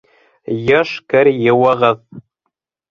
Йыш кер йыуығыҙ.